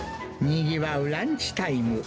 にぎわうランチタイム。